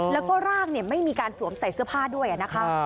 แล้วก็ร่างไม่มีการสวมใส่เสื้อผ้าด้วยนะคะ